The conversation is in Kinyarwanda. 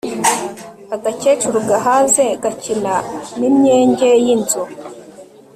agakecuru gahaze gakina n'imyenge y'inzu